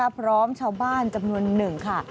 พร้อมชาวบ้านจำนวนหนึ่งค่ะ